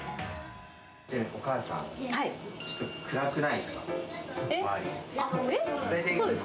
お母さん、ちょっと暗くないですか？